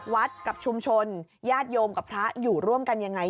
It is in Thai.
กับชุมชนญาติโยมกับพระอยู่ร่วมกันยังไง